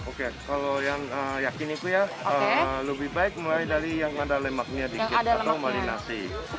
oke kalau yang yakin itu ya lebih baik mulai dari yang ada lemaknya dikit atau marinasi